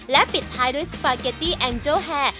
และปิดท้ายด้วยสปาเกตตี้แองโจ้แฮร์